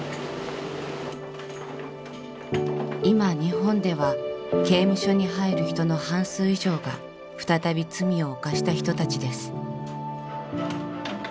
今日本では刑務所に入る人の半数以上が再び罪を犯した人たちです。